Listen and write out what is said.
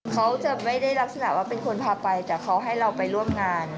เขาจะไม่ได้ลักษณะว่าเป็นคนพาไปแต่เขาให้เราไปร่วมงาน